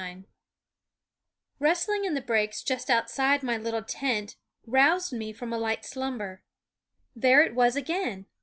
215 RUSTLING in the brakes just out side my little tent roused me from a light slumber. There it was again